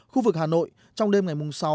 khu vực hà nội trong đêm ngày mùng sáu